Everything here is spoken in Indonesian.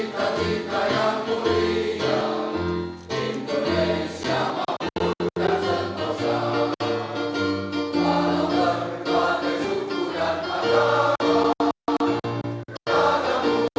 bermula seluruh bangsa indonesia raya